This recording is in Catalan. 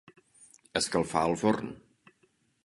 Escalfar el forn.